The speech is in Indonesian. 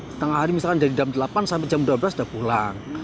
setengah hari misalkan dari jam delapan sampai jam dua belas sudah pulang